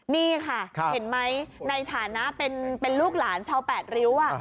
นี่ค่ะเห็นไหมในฐานะเป็นลูกหลานชาวแปดริ้ว